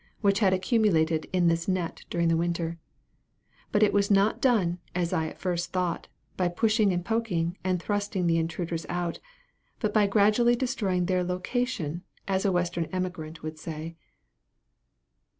which had accumulated in this net during the winter; but it was not done, as I at first thought, by pushing and poking, and thrusting the intruders out, but by gradually destroying their location, as a western emigrant would say.